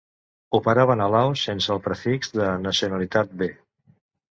Operaven a Laos sense el prefix de nacionalitat B-.